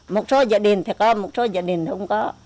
một số gia đình thì có một số gia đình không có